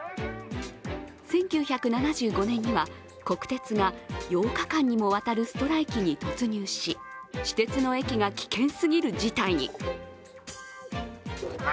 １９７５年には、国鉄が８日間にもわたるストライキに突入し、私鉄の駅が危険すぎる事態に。